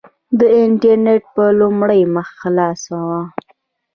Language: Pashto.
د انټرنېټ په لومړۍ مخ خلاصه وه.